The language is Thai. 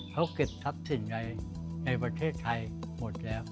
เขาเก็บทัพสิ่งอะไรในประเทศไทยหมดแล้ว